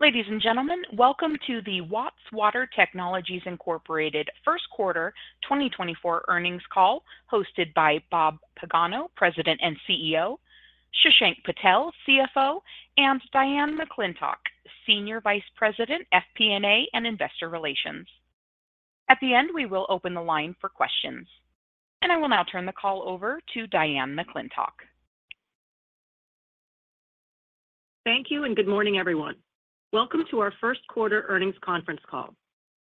Ladies and gentlemen, welcome to the Watts Water Technologies Incorporated first quarter 2024 earnings call hosted by Bob Pagano, President and CEO, Shashank Patel, CFO, and Diane McClintock, Senior Vice President, FP&A and Investor Relations. At the end, we will open the line for questions, and I will now turn the call over to Diane McClintock. Thank you and good morning, everyone. Welcome to our first quarter earnings conference call.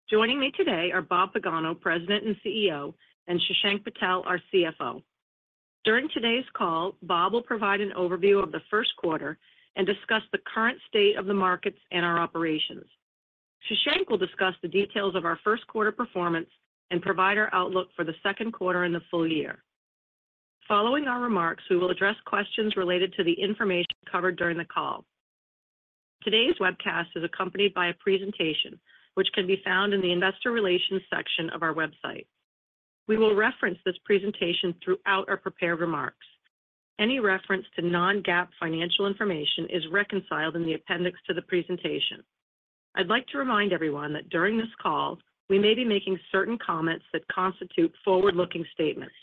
Joining me today are Bob Pagano, President and CEO, and Shashank Patel, our CFO. During today's call, Bob will provide an overview of the first quarter and discuss the current state of the markets and our operations. Shashank will discuss the details of our first quarter performance and provide our outlook for the second quarter in the full year. Following our remarks, we will address questions related to the information covered during the call. Today's webcast is accompanied by a presentation which can be found in the Investor Relations section of our website. We will reference this presentation throughout our prepared remarks. Any reference to non-GAAP financial information is reconciled in the appendix to the presentation. I'd like to remind everyone that during this call, we may be making certain comments that constitute forward-looking statements.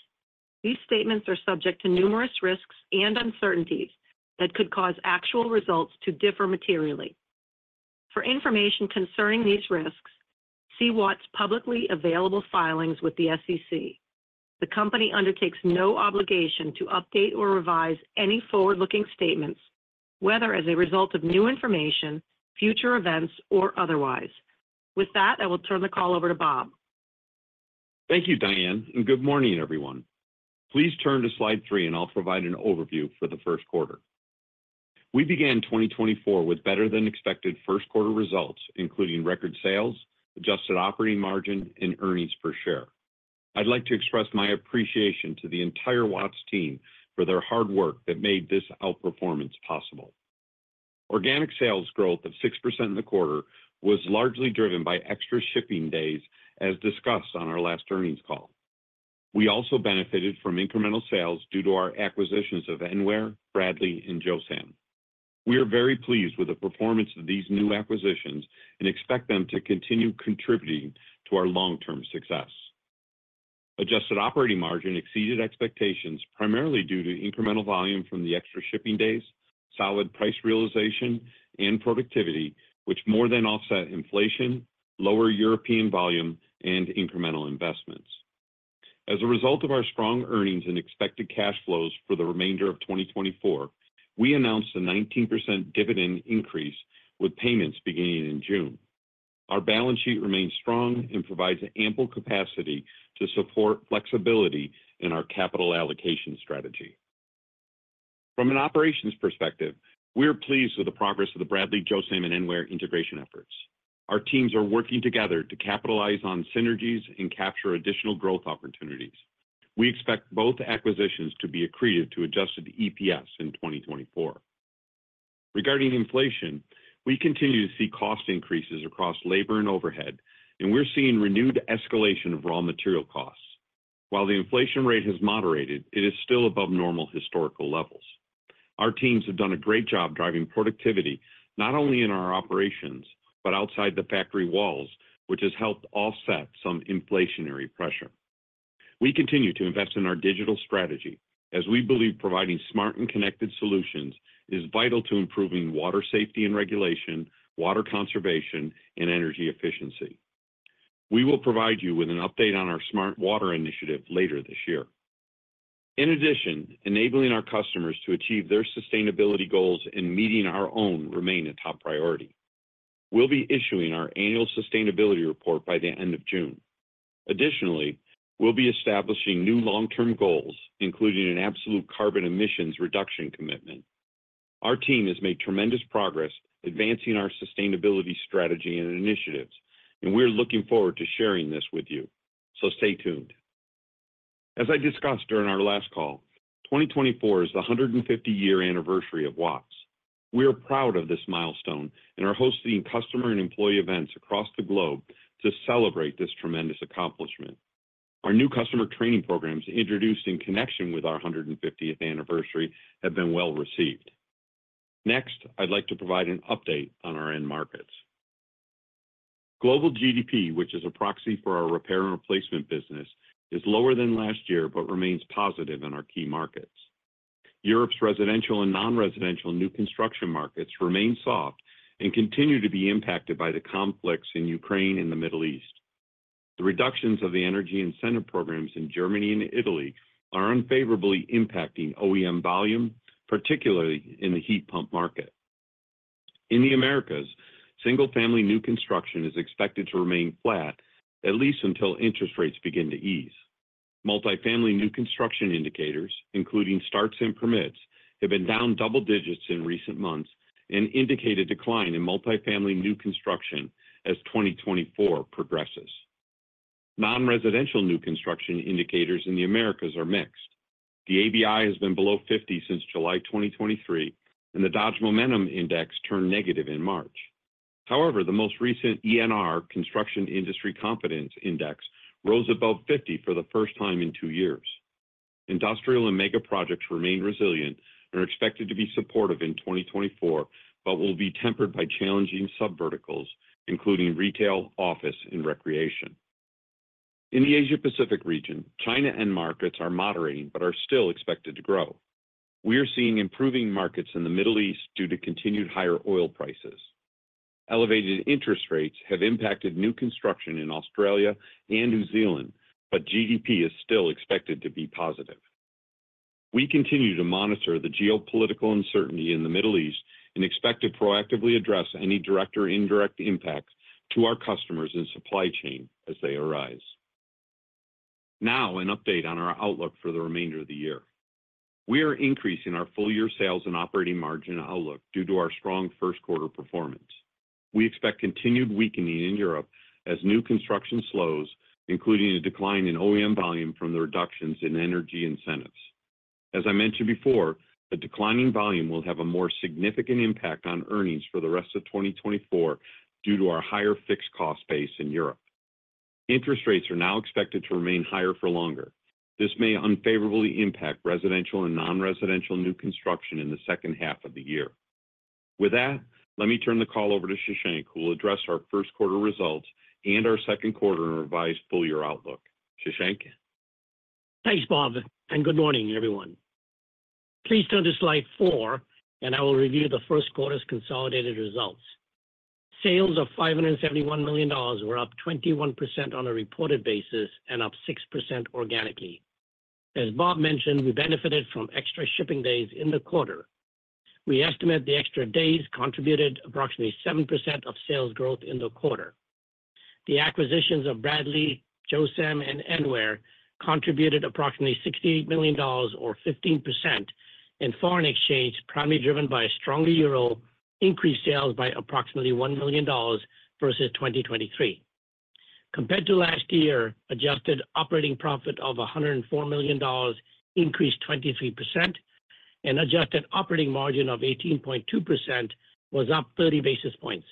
These statements are subject to numerous risks and uncertainties that could cause actual results to differ materially. For information concerning these risks, see Watts' publicly available filings with the SEC. The company undertakes no obligation to update or revise any forward-looking statements, whether as a result of new information, future events, or otherwise. With that, I will turn the call over to Bob. Thank you, Diane, and good morning, everyone. Please turn to slide 3, and I'll provide an overview for the first quarter. We began 2024 with better-than-expected first quarter results, including record sales, adjusted operating margin, and earnings per share. I'd like to express my appreciation to the entire Watts team for their hard work that made this outperformance possible. Organic sales growth of 6% in the quarter was largely driven by extra shipping days, as discussed on our last earnings call. We also benefited from incremental sales due to our acquisitions of Enware, Bradley, and Josam. We are very pleased with the performance of these new acquisitions and expect them to continue contributing to our long-term success. Adjusted operating margin exceeded expectations, primarily due to incremental volume from the extra shipping days, solid price realization, and productivity, which more than offset inflation, lower European volume, and incremental investments. As a result of our strong earnings and expected cash flows for the remainder of 2024, we announced a 19% dividend increase with payments beginning in June. Our balance sheet remains strong and provides ample capacity to support flexibility in our capital allocation strategy. From an operations perspective, we are pleased with the progress of the Bradley, Josam, and Enware integration efforts. Our teams are working together to capitalize on synergies and capture additional growth opportunities. We expect both acquisitions to be accretive to adjusted EPS in 2024. Regarding inflation, we continue to see cost increases across labor and overhead, and we're seeing renewed escalation of raw material costs. While the inflation rate has moderated, it is still above normal historical levels. Our teams have done a great job driving productivity not only in our operations but outside the factory walls, which has helped offset some inflationary pressure. We continue to invest in our digital strategy, as we believe providing smart and connected solutions is vital to improving water safety and regulation, water conservation, and energy efficiency. We will provide you with an update on our Smart Water Initiative later this year. In addition, enabling our customers to achieve their sustainability goals and meeting our own remain a top priority. We'll be issuing our annual sustainability report by the end of June. Additionally, we'll be establishing new long-term goals, including an absolute carbon emissions reduction commitment. Our team has made tremendous progress advancing our sustainability strategy and initiatives, and we're looking forward to sharing this with you, so stay tuned. As I discussed during our last call, 2024 is the 150-year anniversary of Watts. We are proud of this milestone and are hosting customer and employee events across the globe to celebrate this tremendous accomplishment. Our new customer training programs introduced in connection with our 150th anniversary have been well received. Next, I'd like to provide an update on our end markets. Global GDP, which is a proxy for our repair and replacement business, is lower than last year but remains positive in our key markets. Europe's residential and non-residential new construction markets remain soft and continue to be impacted by the conflicts in Ukraine and the Middle East. The reductions of the energy incentive programs in Germany and Italy are unfavorably impacting OEM volume, particularly in the heat pump market. In the Americas, single-family new construction is expected to remain flat, at least until interest rates begin to ease. Multifamily new construction indicators, including starts and permits, have been down double digits in recent months and indicate a decline in multifamily new construction as 2024 progresses. Non-residential new construction indicators in the Americas are mixed. The ABI has been below 50 since July 2023, and the Dodge Momentum Index turned negative in March. However, the most recent ENR, Construction Industry Confidence Index, rose above 50 for the first time in two years. Industrial and mega projects remain resilient and are expected to be supportive in 2024 but will be tempered by challenging subverticals, including retail, office, and recreation. In the Asia-Pacific region, China end markets are moderating but are still expected to grow. We are seeing improving markets in the Middle East due to continued higher oil prices. Elevated interest rates have impacted new construction in Australia and New Zealand, but GDP is still expected to be positive. We continue to monitor the geopolitical uncertainty in the Middle East and expect to proactively address any direct or indirect impacts to our customers and supply chain as they arise. Now, an update on our outlook for the remainder of the year. We are increasing our full-year sales and operating margin outlook due to our strong first quarter performance. We expect continued weakening in Europe as new construction slows, including a decline in OEM volume from the reductions in energy incentives. As I mentioned before, the declining volume will have a more significant impact on earnings for the rest of 2024 due to our higher fixed cost base in Europe. Interest rates are now expected to remain higher for longer. This may unfavorably impact residential and non-residential new construction in the second half of the year. With that, let me turn the call over to Shashank, who will address our first quarter results and our second quarter and revised full-year outlook. Shashank? Thanks, Bob, and good morning, everyone. Please turn to slide 4, and I will review the first quarter's consolidated results. Sales of $571 million were up 21% on a reported basis and up 6% organically. As Bob mentioned, we benefited from extra shipping days in the quarter. We estimate the extra days contributed approximately 7% of sales growth in the quarter. The acquisitions of Bradley, Josam, and Enware contributed approximately $68 million or 15%. In foreign exchange, primarily driven by a stronger euro, increased sales by approximately $1 million versus 2023. Compared to last year, adjusted operating profit of $104 million increased 23%, and adjusted operating margin of 18.2% was up 30 basis points.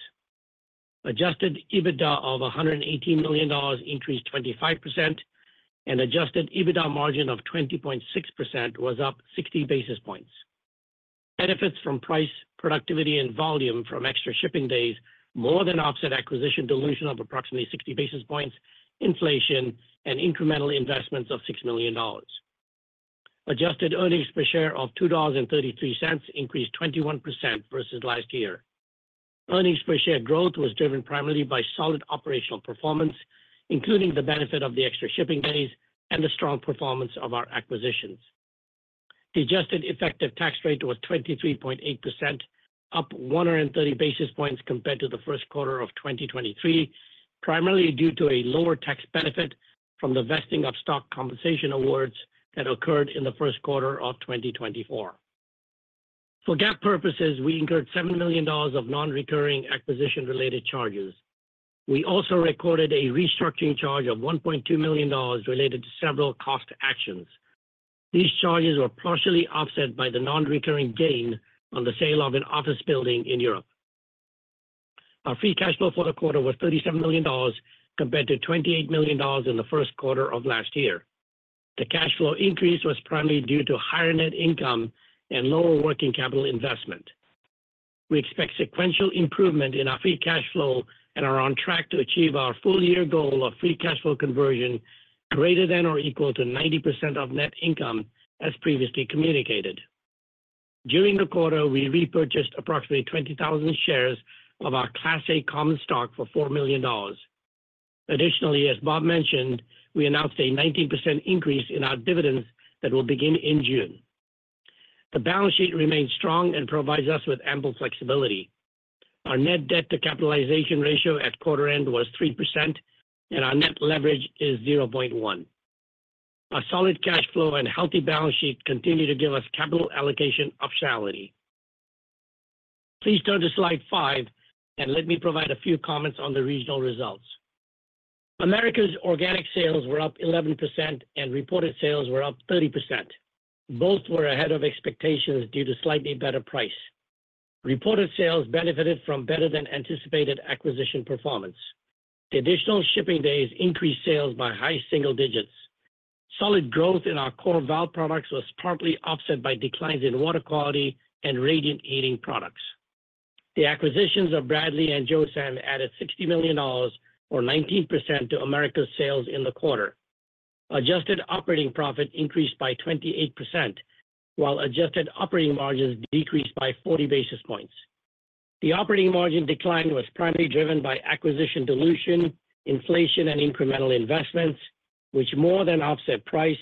Adjusted EBITDA of $118 million increased 25%, and adjusted EBITDA margin of 20.6% was up 60 basis points. Benefits from price, productivity, and volume from extra shipping days more than offset acquisition dilution of approximately 60 basis points, inflation, and incremental investments of $6 million. Adjusted earnings per share of $2.33 increased 21% versus last year. Earnings per share growth was driven primarily by solid operational performance, including the benefit of the extra shipping days and the strong performance of our acquisitions. The adjusted effective tax rate was 23.8%, up 130 basis points compared to the first quarter of 2023, primarily due to a lower tax benefit from the vesting of stock compensation awards that occurred in the first quarter of 2024. For GAAP purposes, we incurred $7 million of non-recurring acquisition-related charges. We also recorded a restructuring charge of $1.2 million related to several cost actions. These charges were partially offset by the non-recurring gain on the sale of an office building in Europe. Our free cash flow for the quarter was $37 million compared to $28 million in the first quarter of last year. The cash flow increase was primarily due to higher net income and lower working capital investment. We expect sequential improvement in our free cash flow and are on track to achieve our full-year goal of free cash flow conversion greater than or equal to 90% of net income, as previously communicated. During the quarter, we repurchased approximately 20,000 shares of our Class A common stock for $4 million. Additionally, as Bob mentioned, we announced a 19% increase in our dividends that will begin in June. The balance sheet remains strong and provides us with ample flexibility. Our net debt-to-capitalization ratio at quarter-end was 3%, and our net leverage is 0.1. Our solid cash flow and healthy balance sheet continue to give us capital allocation optionality. Please turn to slide 5, and let me provide a few comments on the regional results. Americas organic sales were up 11%, and reported sales were up 30%. Both were ahead of expectations due to slightly better price. Reported sales benefited from better-than-anticipated acquisition performance. The additional shipping days increased sales by high single digits. Solid growth in our core valve products was partly offset by declines in water quality and radiant heating products. The acquisitions of Bradley and Josam added $60 million or 19% to Americas sales in the quarter. Adjusted operating profit increased by 28%, while adjusted operating margins decreased by 40 basis points. The operating margin decline was primarily driven by acquisition dilution, inflation, and incremental investments, which more than offset price,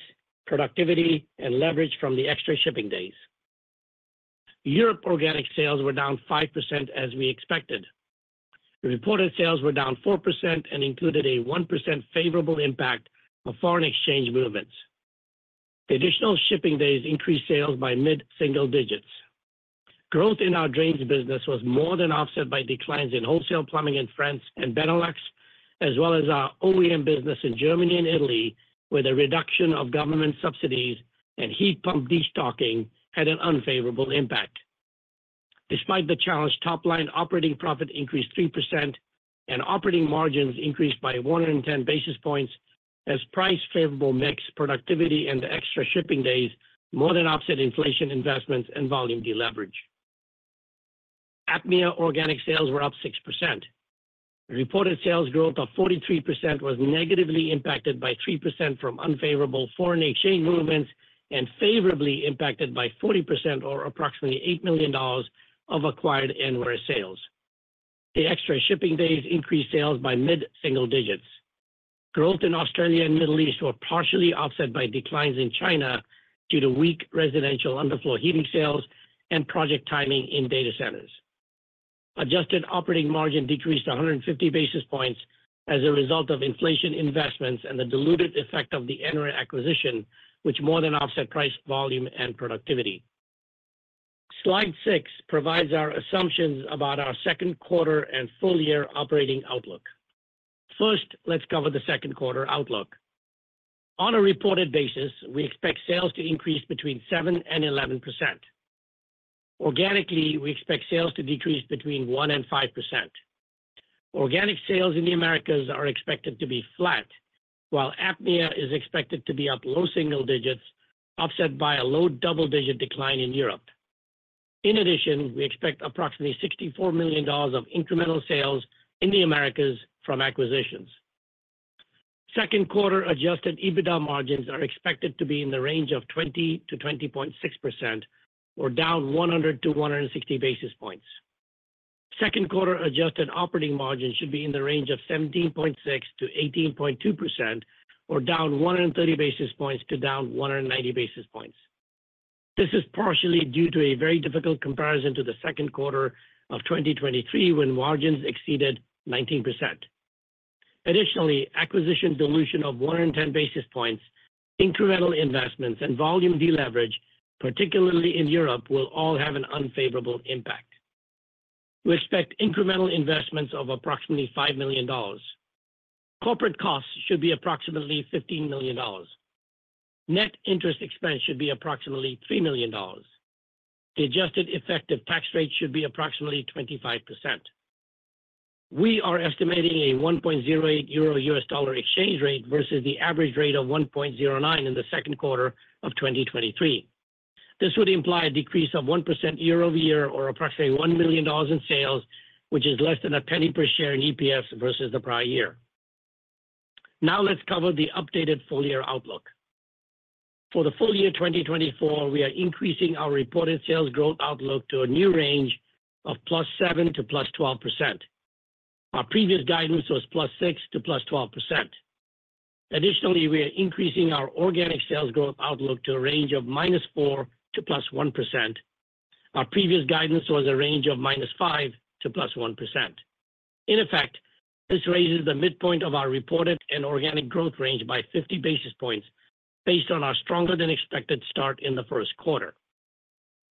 productivity, and leverage from the extra shipping days. Europe organic sales were down 5% as we expected. Reported sales were down 4% and included a 1% favorable impact of foreign exchange movements. The additional shipping days increased sales by mid-single digits. Growth in our drains business was more than offset by declines in wholesale plumbing in France and Benelux, as well as our OEM business in Germany and Italy, where the reduction of government subsidies and heat pump destocking had an unfavorable impact. Despite the challenge, top-line operating profit increased 3%, and operating margins increased by 110 basis points as price-favorable mix, productivity, and the extra shipping days more than offset inflation investments and volume deleverage. APMEA organic sales were up 6%. Reported sales growth of 43% was negatively impacted by 3% from unfavorable foreign exchange movements and favorably impacted by 40% or approximately $8 million of acquired Enware sales. The extra shipping days increased sales by mid-single digits. Growth in Australia and Middle East was partially offset by declines in China due to weak residential under floor heating sales and project timing in data centers. Adjusted operating margin decreased 150 basis points as a result of inflation investments and the diluted effect of the Enware acquisition, which more than offset price, volume, and productivity. Slide 6 provides our assumptions about our second quarter and full-year operating outlook. First, let's cover the second quarter outlook. On a reported basis, we expect sales to increase between 7% and 11%. Organically, we expect sales to decrease between 1% and 5%. Organic sales in the Americas are expected to be flat, while APMEA is expected to be up low single digits, offset by a low double-digit decline in Europe. In addition, we expect approximately $64 million of incremental sales in the Americas from acquisitions. Second quarter adjusted EBITDA margins are expected to be in the range of 20%-20.6% or down 100-160 basis points. Second quarter adjusted operating margin should be in the range of 17.6%-18.2% or down 130 basis points to down 190 basis points. This is partially due to a very difficult comparison to the second quarter of 2023 when margins exceeded 19%. Additionally, acquisition dilution of 110 basis points, incremental investments, and volume deleverage, particularly in Europe, will all have an unfavorable impact. We expect incremental investments of approximately $5 million. Corporate costs should be approximately $15 million. Net interest expense should be approximately $3 million. The adjusted effective tax rate should be approximately 25%. We are estimating a 1.08 euro U.S. dollar exchange rate versus the average rate of 1.09 in the second quarter of 2023. This would imply a decrease of 1% year-over-year or approximately $1 million in sales, which is less than a penny per share in EPS versus the prior year. Now let's cover the updated full-year outlook. For the full year 2024, we are increasing our reported sales growth outlook to a new range of +7% to +12%. Our previous guidance was +6% to +12%. Additionally, we are increasing our organic sales growth outlook to a range of -4% to +1%. Our previous guidance was a range of -5% to +1%. In effect, this raises the midpoint of our reported and organic growth range by 50 basis points based on our stronger-than-expected start in the first quarter.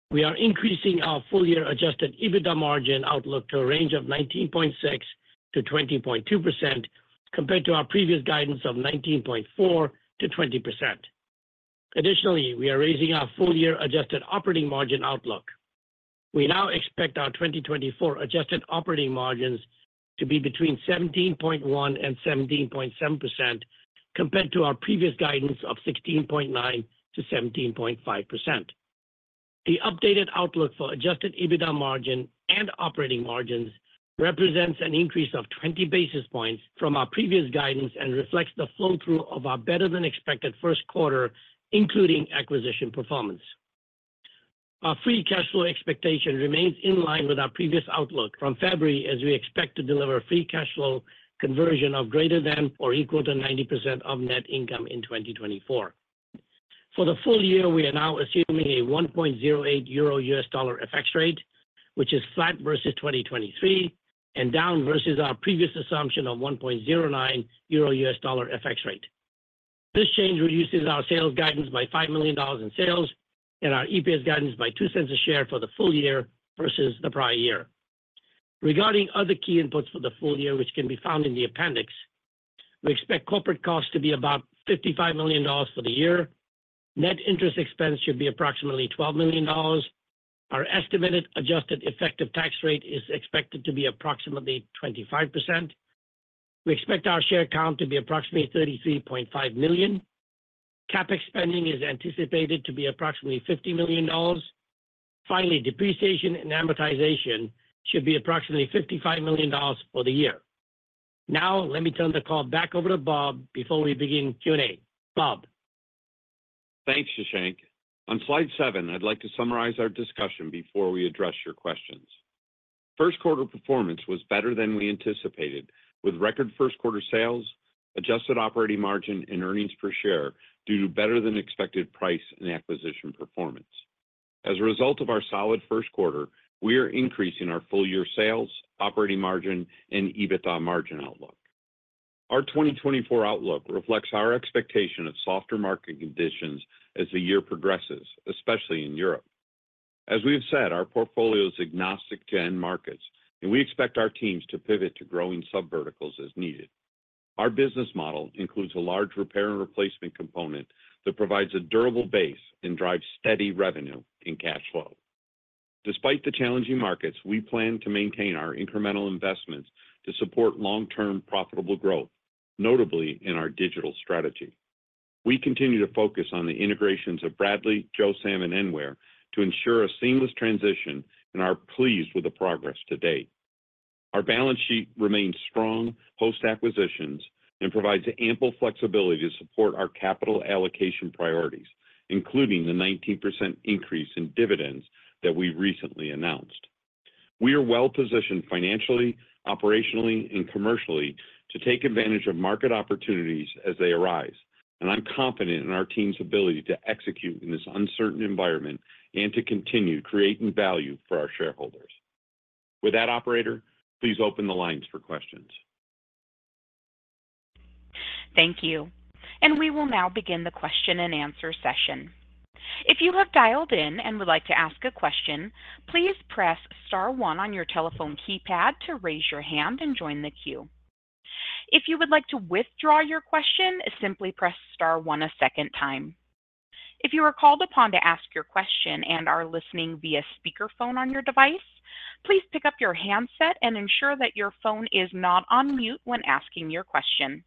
We are increasing our full-year Adjusted EBITDA margin outlook to a range of 19.6%-20.2% compared to our previous guidance of 19.4%-20%. Additionally, we are raising our full-year adjusted operating margin outlook. We now expect our 2024 adjusted operating margins to be between 17.1% and 17.7% compared to our previous guidance of 16.9%-17.5%. The updated outlook for adjusted EBITDA margin and operating margins represents an increase of 20 basis points from our previous guidance and reflects the flow-through of our better-than-expected first quarter, including acquisition performance. Our free cash flow expectation remains in line with our previous outlook from February, as we expect to deliver free cash flow conversion of greater than or equal to 90% of net income in 2024. For the full year, we are now assuming a 1.08 euro U.S. dollar exchange rate, which is flat versus 2023 and down versus our previous assumption of 1.09 euro U.S. dollar exchange rate. This change reduces our sales guidance by $5 million in sales and our EPS guidance by $0.02 cents a share for the full year versus the prior year. Regarding other key inputs for the full year, which can be found in the appendix, we expect corporate costs to be about $55 million for the year. Net interest expense should be approximately $12 million. Our estimated adjusted effective tax rate is expected to be approximately 25%. We expect our share count to be approximately 33.5 million. CapEx spending is anticipated to be approximately $50 million. Finally, depreciation and amortization should be approximately $55 million for the year. Now let me turn the call back over to Bob before we begin Q&A. Bob. Thanks, Shashank. On slide 7, I'd like to summarize our discussion before we address your questions. First quarter performance was better than we anticipated, with record first quarter sales, adjusted operating margin, and earnings per share due to better-than-expected price and acquisition performance. As a result of our solid first quarter, we are increasing our full-year sales, operating margin, and EBITDA margin outlook. Our 2024 outlook reflects our expectation of softer market conditions as the year progresses, especially in Europe. As we have said, our portfolio is agnostic to end markets, and we expect our teams to pivot to growing subverticals as needed. Our business model includes a large repair and replacement component that provides a durable base and drives steady revenue and cash flow. Despite the challenging markets, we plan to maintain our incremental investments to support long-term profitable growth, notably in our digital strategy. We continue to focus on the integrations of Bradley, Josam, and Enware to ensure a seamless transition, and are pleased with the progress to date. Our balance sheet remains strong post-acquisitions and provides ample flexibility to support our capital allocation priorities, including the 19% increase in dividends that we recently announced. We are well-positioned financially, operationally, and commercially to take advantage of market opportunities as they arise, and I'm confident in our team's ability to execute in this uncertain environment and to continue creating value for our shareholders. With that, operator, please open the lines for questions. Thank you. We will now begin the question-and-answer session. If you have dialed in and would like to ask a question, please press star one on your telephone keypad to raise your hand and join the queue. If you would like to withdraw your question, simply press star 1 a second time. If you are called upon to ask your question and are listening via speakerphone on your device, please pick up your handset and ensure that your phone is not on mute when asking your question.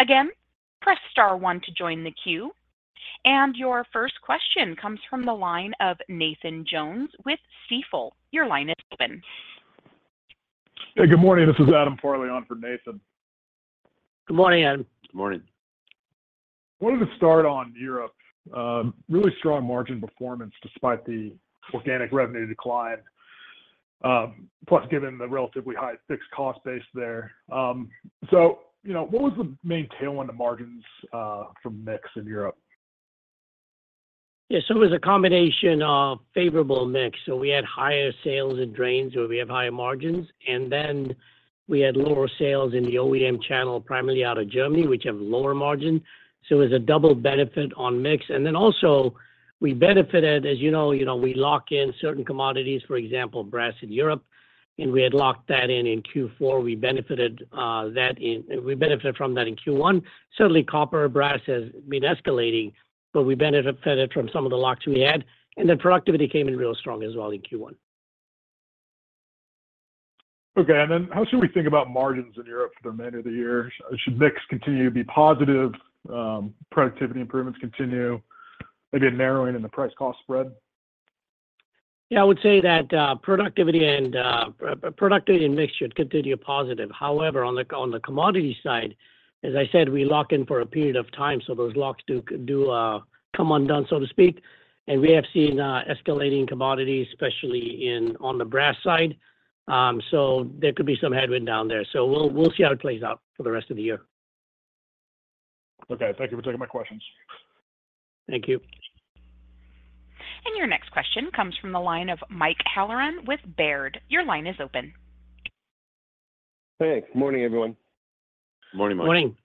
Again, press star 1 to join the queue. Your first question comes from the line of Nathan Jones with Stifel. Your line is open. Hey, good morning. This is Adam Parrington for Nathan. Good morning, Adam. Good morning. Wanted to start on Europe. Really strong margin performance despite the organic revenue decline, plus given the relatively high fixed cost base there. So what was the main tailwind to margins from mix in Europe? Yeah, so it was a combination of favorable mix. So we had higher sales in drains where we have higher margins, and then we had lower sales in the OEM channel, primarily out of Germany, which have lower margin. So it was a double benefit on mix. And then also we benefited, as you know, we lock in certain commodities, for example, brass in Europe, and we had locked that in in Q4. We benefited from that in Q1. Certainly, copper brass has been escalating, but we benefited from some of the locks we had. And then productivity came in real strong as well in Q1. Okay. And then how should we think about margins in Europe for the remainder of the year? Should mix continue to be positive? Productivity improvements continue? Maybe a narrowing in the price-cost spread? Yeah, I would say that productivity and mix should continue positive. However, on the commodity side, as I said, we lock in for a period of time, so those locks do come undone, so to speak. We have seen escalating commodities, especially on the brass side. There could be some headwind down there. We'll see how it plays out for the rest of the year. Okay. Thank you for taking my questions. Thank you. Your next question comes from the line of Mike Halloran with Baird. Your line is open. Hey. Good morning, everyone. Morning, Mike. Morning.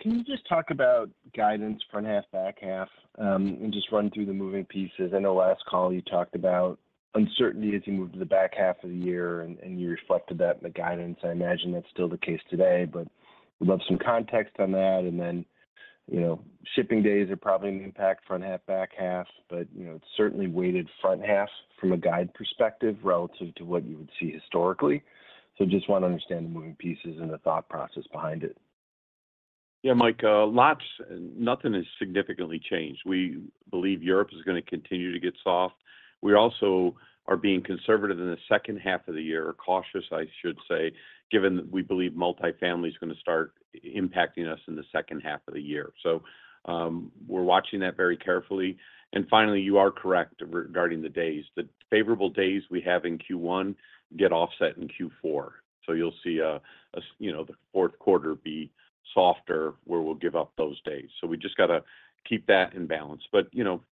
Can you just talk about guidance front half, back half, and just run through the moving pieces? I know last call you talked about uncertainty as you moved to the back half of the year, and you reflected that in the guidance. I imagine that's still the case today, but we'd love some context on that. Then shipping days are probably an impact front half, back half, but it's certainly weighted front half from a guidance perspective relative to what you would see historically. Just want to understand the moving pieces and the thought process behind it. Yeah, Mike. Nothing has significantly changed. We believe Europe is going to continue to get soft. We also are being conservative in the second half of the year, cautious, I should say, given that we believe multifamily is going to start impacting us in the second half of the year. So we're watching that very carefully. And finally, you are correct regarding the days. The favorable days we have in Q1 get offset in Q4. So you'll see the fourth quarter be softer where we'll give up those days. So we just got to keep that in balance. But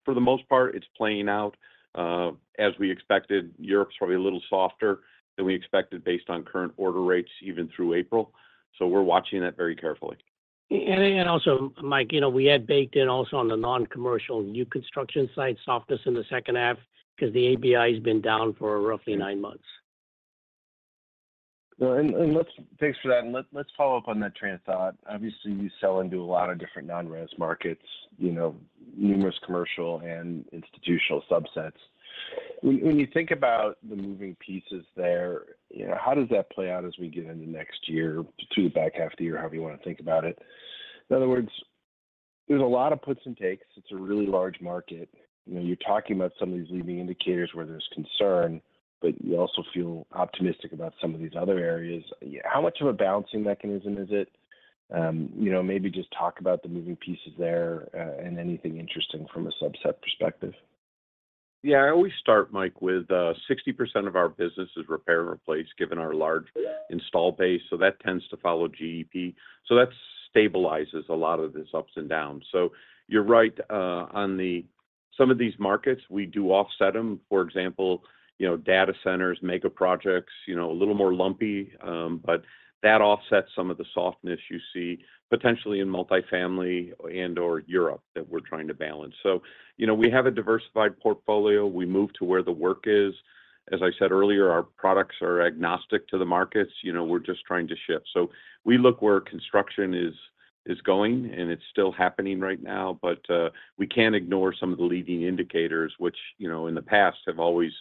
for the most part, it's playing out as we expected. Europe's probably a little softer than we expected based on current order rates, even through April. So we're watching that very carefully. Also, Mike, we had baked in also on the non-commercial new construction site softness in the second half because the ABI has been down for roughly nine months. Thanks for that. And let's follow up on that train of thought. Obviously, you sell into a lot of different non-RES markets, numerous commercial and institutional subsets. When you think about the moving pieces there, how does that play out as we get into next year, to the back half of the year, however you want to think about it? In other words, there's a lot of puts and takes. It's a really large market. You're talking about some of these leading indicators where there's concern, but you also feel optimistic about some of these other areas. How much of a balancing mechanism is it? Maybe just talk about the moving pieces there and anything interesting from a subset perspective. Yeah. I always start, Mike, with 60% of our business is repair and replace given our large installed base. So that tends to follow GDP. So that stabilizes a lot of these ups and downs. So you're right on some of these markets, we do offset them. For example, data centers, mega projects, a little more lumpy, but that offsets some of the softness you see potentially in multifamily and/or Europe that we're trying to balance. So we have a diversified portfolio. We move to where the work is. As I said earlier, our products are agnostic to the markets. We're just trying to shift. So we look where construction is going, and it's still happening right now. But we can't ignore some of the leading indicators, which in the past have always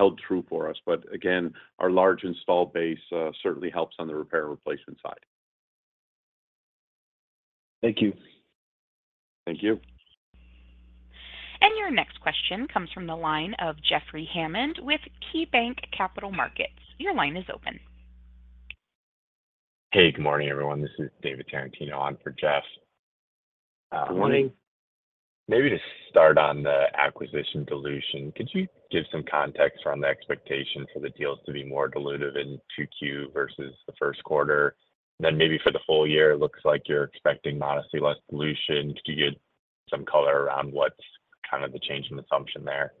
held true for us. But again, our large installed base certainly helps on the repair and replacement side. Thank you. Thank you. Your next question comes from the line of Jeffrey Hammond with KeyBanc Capital Markets. Your line is open. Hey, good morning, everyone. This is David Tarantino on for Jeff. Good morning. Maybe to start on the acquisition dilution, could you give some context around the expectation for the deals to be more dilutive in Q2 versus the first quarter? Then maybe for the full year, it looks like you're expecting modestly less dilution. Could you give some color around what's kind of the change in assumption there?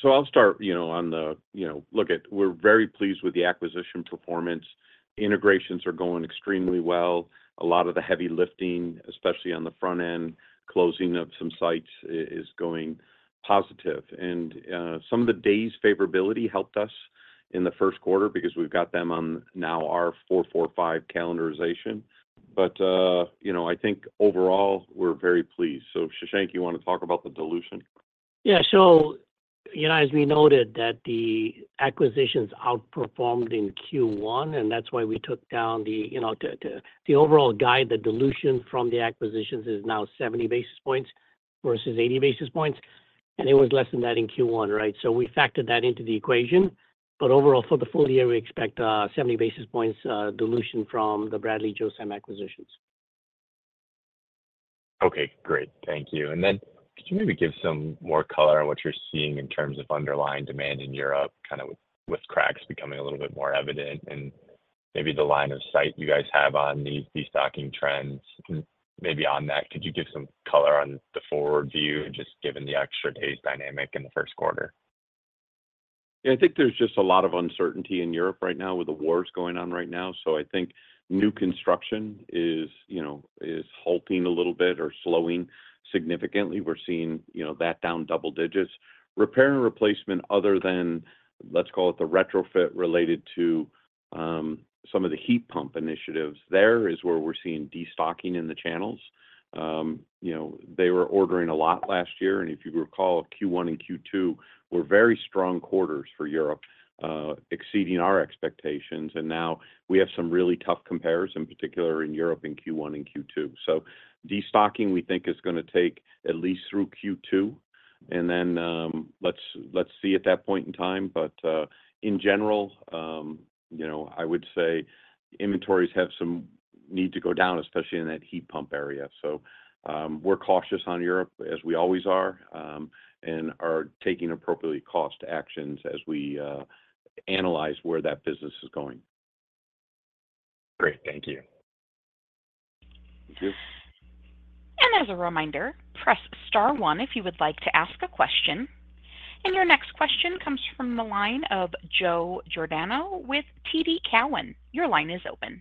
So I'll start with a look at we're very pleased with the acquisition performance. Integrations are going extremely well. A lot of the heavy lifting, especially on the front end, closing up some sites, is going positive. And some of the day's favorability helped us in the first quarter because we've got them on now our 4-4-5 calendarization. But I think overall, we're very pleased. So Shashank, you want to talk about the dilution? Yeah. As we noted, the acquisitions outperformed in Q1, and that's why we took down the overall guide. The dilution from the acquisitions is now 70 basis points versus 80 basis points. It was less than that in Q1, right? We factored that into the equation. Overall, for the full year, we expect 70 basis points dilution from the Bradley Josam acquisitions. Okay. Great. Thank you. And then could you maybe give some more color on what you're seeing in terms of underlying demand in Europe, kind of with cracks becoming a little bit more evident, and maybe the line of sight you guys have on these destocking trends? And maybe on that, could you give some color on the forward view, just given the extra days dynamic in the first quarter? Yeah. I think there's just a lot of uncertainty in Europe right now with the wars going on right now. So I think new construction is halting a little bit or slowing significantly. We're seeing that down double digits. Repair and replacement, other than, let's call it, the retrofit related to some of the heat pump initiatives, there is where we're seeing destocking in the channels. They were ordering a lot last year. And if you recall, Q1 and Q2 were very strong quarters for Europe, exceeding our expectations. And now we have some really tough compares, in particular in Europe in Q1 and Q2. So destocking, we think, is going to take at least through Q2. And then let's see at that point in time. But in general, I would say inventories have some need to go down, especially in that heat pump area. We're cautious on Europe, as we always are, and are taking appropriate cost actions as we analyze where that business is going. Great. Thank you. Thank you. As a reminder, press star 1 if you would like to ask a question. Your next question comes from the line of Joe Giordano with TD Cowen. Your line is open.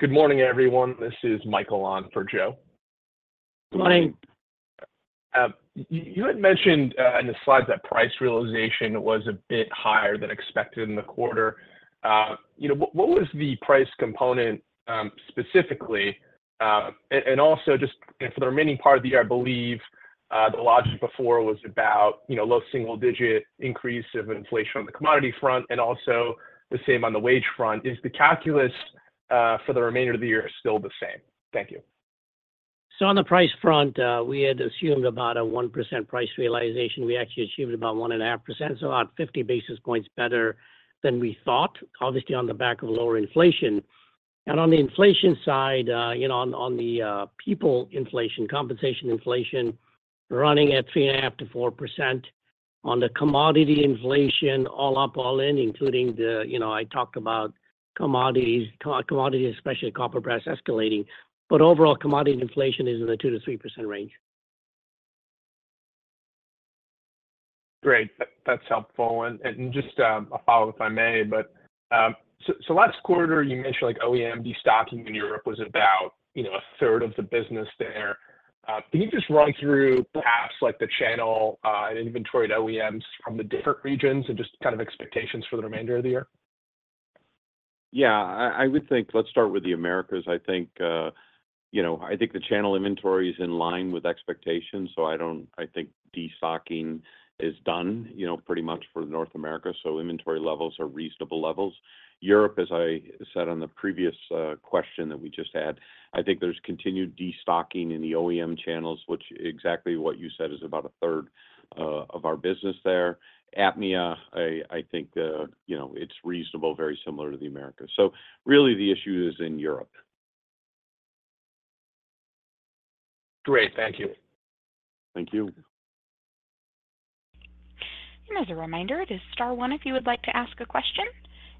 Good morning, everyone. This is Michael on for Joe. Good morning. You had mentioned in the slides that price realization was a bit higher than expected in the quarter. What was the price component specifically? And also just for the remaining part of the year, I believe the logic before was about low single-digit increase of inflation on the commodity front and also the same on the wage front. Is the calculus for the remainder of the year still the same? Thank you. So on the price front, we had assumed about a 1% price realization. We actually achieved about 1.5%, so about 50 basis points better than we thought, obviously, on the back of lower inflation. And on the inflation side, on the people inflation, compensation inflation, running at 3.5%-4%. On the commodity inflation, all up, all in, including the I talked about commodities, especially copper brass escalating. But overall, commodity inflation is in the 2%-3% range. Great. That's helpful. And just a follow-up, if I may, but so last quarter, you mentioned OEM destocking in Europe was about a third of the business there. Can you just run through perhaps the channel and inventory at OEMs from the different regions and just kind of expectations for the remainder of the year? Yeah. I would think let's start with the Americas. I think the channel inventory is in line with expectations. So I think destocking is done pretty much for North America. So inventory levels are reasonable levels. Europe, as I said on the previous question that we just had, I think there's continued destocking in the OEM channels, which exactly what you said is about a third of our business there. APMEA, I think it's reasonable, very similar to the Americas. So really, the issue is in Europe. Great. Thank you. Thank you. As a reminder, this is star 1 if you would like to ask a question.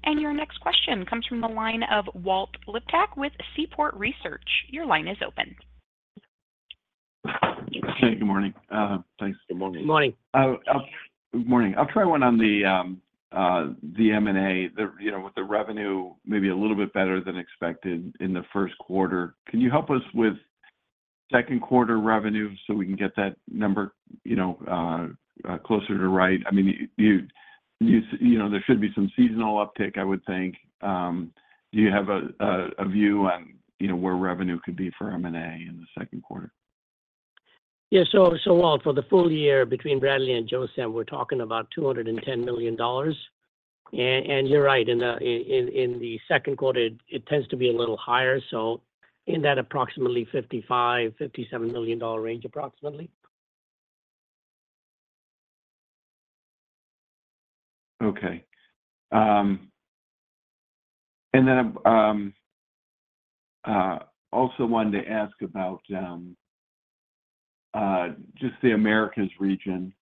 Your next question comes from the line of Walt Liptak with Seaport Research. Your line is open. Hey. Good morning. Thanks. Good morning. Good morning. Good morning. I'll try one on the M&A with the revenue, maybe a little bit better than expected in the first quarter. Can you help us with second quarter revenue so we can get that number closer to right? I mean, there should be some seasonal uptick, I would think. Do you have a view on where revenue could be for M&A in the second quarter? Yeah. So Walt, for the full year between Bradley and Josam, we're talking about $210 million. And you're right. In the second quarter, it tends to be a little higher. So in that approximately $55-$57 million range, approximately. Okay. And then also wanted to ask about just the Americas region.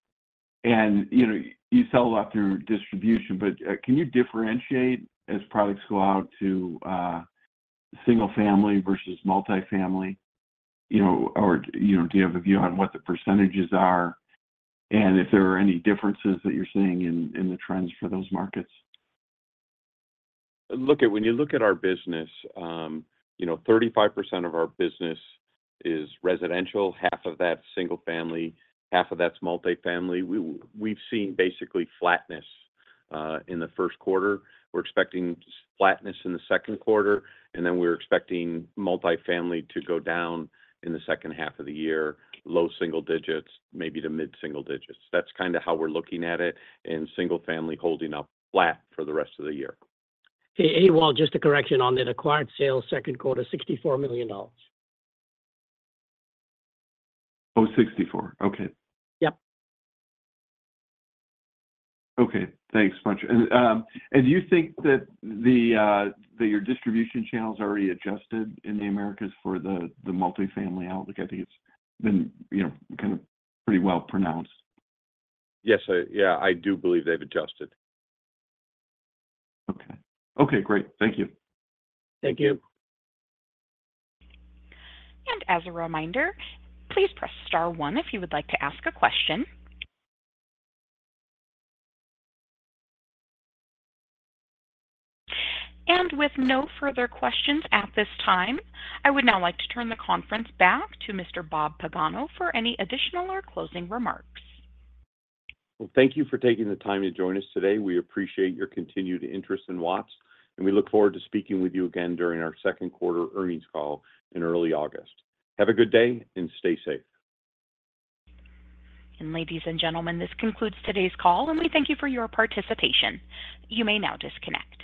And you sell a lot through distribution, but can you differentiate as products go out to single-family versus multifamily? Or do you have a view on what the percentages are and if there are any differences that you're seeing in the trends for those markets? Look, when you look at our business, 35% of our business is residential, half of that single-family, half of that's multifamily. We've seen basically flatness in the first quarter. We're expecting flatness in the second quarter. Then we're expecting multifamily to go down in the second half of the year, low single digits, maybe to mid-single digits. That's kind of how we're looking at it, and single-family holding up flat for the rest of the year. Hey, Walt, just a correction on that. Acquired sales second quarter, $64 million. Oh, 64. Okay. Yep. Okay. Thanks, Mike. Do you think that your distribution channel's already adjusted in the Americas for the multifamily outlook? I think it's been kind of pretty well pronounced. Yes. Yeah. I do believe they've adjusted. Okay. Okay. Great. Thank you. Thank you. As a reminder, please press star 1 if you would like to ask a question. With no further questions at this time, I would now like to turn the conference back to Mr. Bob Pagano for any additional or closing remarks. Well, thank you for taking the time to join us today. We appreciate your continued interest in Watts. We look forward to speaking with you again during our second quarter earnings call in early August. Have a good day and stay safe. Ladies and gentlemen, this concludes today's call, and we thank you for your participation. You may now disconnect.